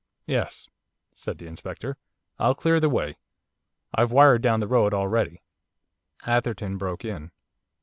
'Yes,' said the Inspector, 'I'll clear the way. I've wired down the road already.' Atherton broke in.